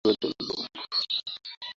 অতএব আমিও চললুম।